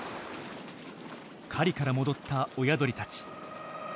狩りから戻った親鳥たち。